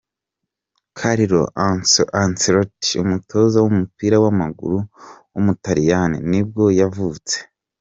Carlo Ancelotti, umutoza w’umupira w’amaguru w’umutaliyani ni bwo yavutse.